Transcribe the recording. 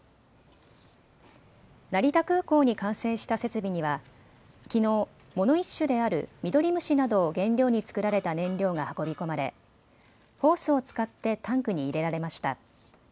成田空港に完成した設備にはきのう藻の一種であるミドリムシなどを原料に作られた燃料が運び込まれホースを使ってタンクに入れられました。